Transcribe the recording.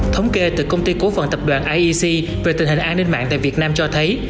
thống kê từ công ty cố phần tập đoàn iec về tình hình an ninh mạng tại việt nam cho thấy